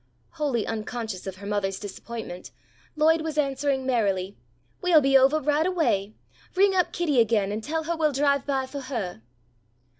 Wholly unconscious of her mother's disappointment Lloyd was answering merrily, "We'll be ovah right away! Ring up Kitty again, and tell her we'll drive by for her."